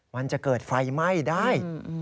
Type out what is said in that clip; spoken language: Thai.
มันจะเกิดไฟไหม้ได้